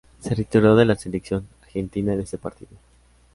Se retiró de la selección Argentina en este partido.